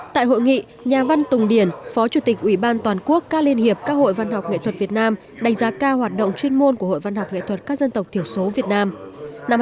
tại hội nghị nhà văn tùng điển phó chủ tịch ủy ban toàn quốc các liên hiệp các hội văn học nghệ thuật việt nam đánh giá cao hoạt động chuyên môn của hội văn học nghệ thuật các dân tộc thiểu số việt nam